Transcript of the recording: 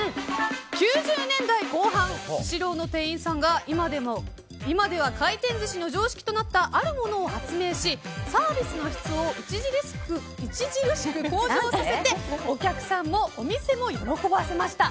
９０年代後半スシローの店員さんが今では回転寿司の常識となったあるものを発明しサービスの質を著しく向上させてお客さんもお店も喜ばせました。